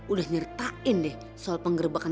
udah nyertain deh soal penggerbakan